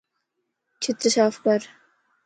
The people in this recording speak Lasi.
ڇتَ صاف ڪَر